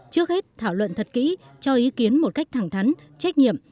trước hết thảo luận thật kỹ cho ý kiến một cách thẳng thắn trách nhiệm